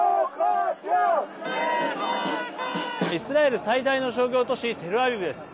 イスラエル最大の商業都市テルアビブです。